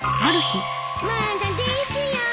まだですよ。